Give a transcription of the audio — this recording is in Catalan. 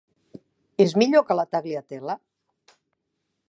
És millor que la Tagliatella?